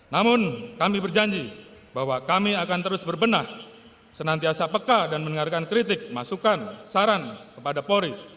namun kami berjanji bahwa kami akan terus berbenah senantiasa peka dan mendengarkan kritik masukan saran kepada polri